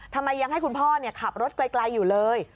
ทำไมยังให้คุณพ่อขับรถไกลอยู่เลย